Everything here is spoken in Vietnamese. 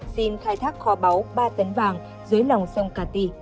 phim khai thác kho báu ba tấn vàng dưới lòng sông cà tì